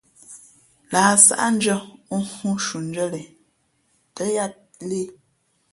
Lah sáʼndʉ̄ᾱ ghoo shundʉ̄ᾱ len tά yāā lēh.